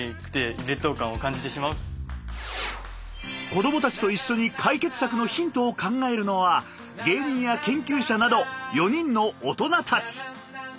子どもたちと一緒に解決策のヒントを考えるのは芸人や研究者など４人の大人たち。